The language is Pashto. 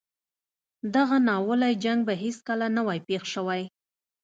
دغه ناولی جنګ به هیڅکله نه وای پېښ شوی.